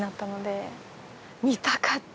見たかった！